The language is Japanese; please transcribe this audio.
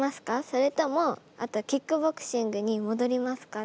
それともキックボクシングに戻りますか？